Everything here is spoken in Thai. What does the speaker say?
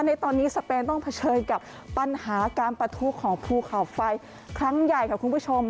ในตอนนี้สเปนต้องเผชิญกับปัญหาการประทุของภูเขาไฟครั้งใหญ่ค่ะคุณผู้ชม